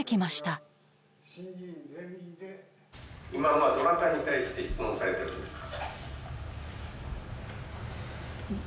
今のはどなたに対して質問されているんですか？